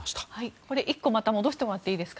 これ１個戻してもらっていいですか。